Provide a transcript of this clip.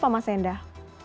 seperti apa mas endah